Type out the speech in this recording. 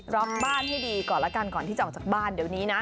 ล็อกบ้านให้ดีก่อนแล้วกันก่อนที่จะออกจากบ้านเดี๋ยวนี้นะ